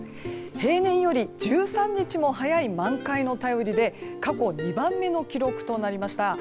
平年より１３日も早い満開の便りで過去２番目の記録となりました。